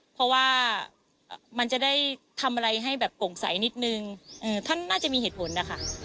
เพราะว่ามันจะได้ทำอะไรให้แบบโปร่งใสนิดนึงท่านน่าจะมีเหตุผลนะคะ